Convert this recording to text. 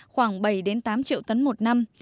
khoảng bảy tám triệu tấn một năm